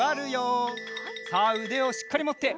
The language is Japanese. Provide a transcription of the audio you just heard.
さあうでをしっかりもって。